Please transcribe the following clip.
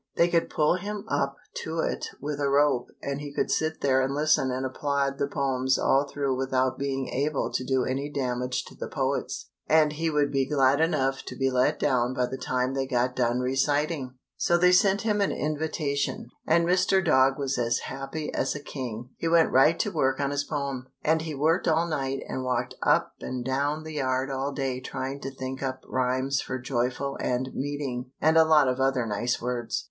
They could pull him up to it with a rope and he could sit there and listen and applaud the poems all through without being able to do any damage to the poets, and he would be glad enough to be let down by the time they got done reciting. So they sent him an invitation, and Mr. Dog was as happy as a king. He went right to work on his poem, and he worked all night and walked up and down the yard all day trying to think up rhymes for "joyful" and "meeting," and a lot of other nice words.